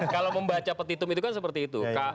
kalau membaca petitum itu kan seperti itu